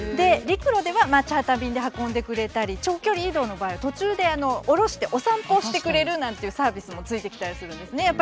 陸路ではチャーター便で運んでくれたり長距離移動の場合は途中で降ろしてお散歩をしてくれるなんていうサービスも付いてきたりするんですね。